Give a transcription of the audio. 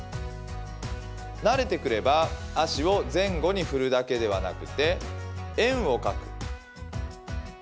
慣れてくれば足を前後に振るだけではなくて円を描く。